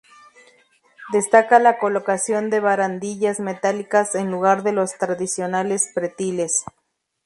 Destaca la colocación de barandillas metálicas en lugar de los tradicionales pretiles.